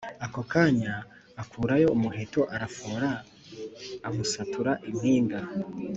akokanya akurayo umuheto arafora amusatura impanga